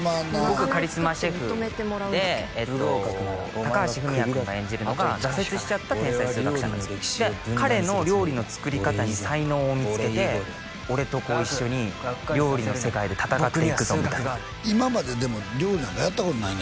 僕カリスマシェフで高橋文哉君が演じるのが挫折しちゃった天才数学者なんですよで彼の料理の作り方に才能を見つけて俺と一緒に料理の世界で戦っていくぞみたいな今まででも料理なんかやったことないねやろ？